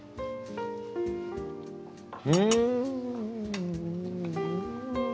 うん！